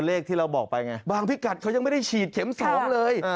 ที่เราบอกไปไงบางพิกัดเขายังไม่ได้ฉีดเข็ม๒เลย